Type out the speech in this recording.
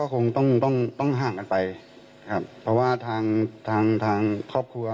ก็คงต้องห่างกันไปครับเพราะว่าทางครอบครัว